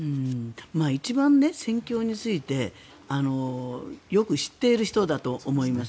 一番、戦況についてよく知っている人だと思います。